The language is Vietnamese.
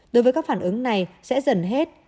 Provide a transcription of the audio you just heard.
đối với các phản ứng này sẽ dần hết